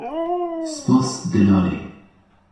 Spas, delalê.